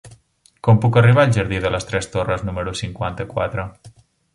Com puc arribar al jardí de les Tres Torres número cinquanta-quatre?